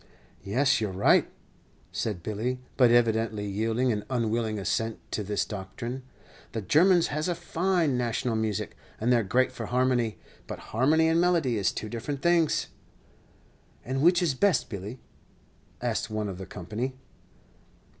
"Yes, you're right," said Billy, but evidently yielding an unwilling assent to this doctrine. "The Germans has a fine national music, and they 're great for harmony. But harmony and melody is two different things." "And which is best, Billy?" asked one of the company.